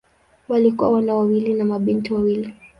Walikuwa wana wawili na mabinti wawili.